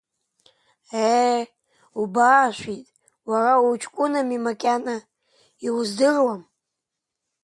Ее, убаашәит, уара уҷкәынами макьана, иуздыруам.